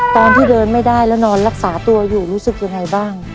ตอนที่เดินไม่ได้แล้วนอนรักษาตัวอยู่รู้สึกยังไงบ้าง